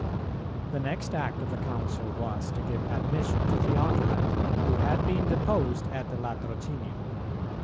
The next act of the Council was to give admission to Theodoret, who had been deposed at the Latrocinium.